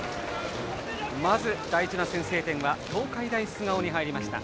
まず大事な先制点は東海大菅生に入りました。